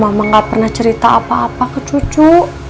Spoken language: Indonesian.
mama gak pernah cerita apa apa ke cucu